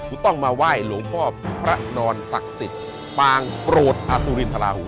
ต้องมาไหว้หลวงพ่อพระนอนศักดิ์สิทธิ์ปางโปรดอตุรินทราหู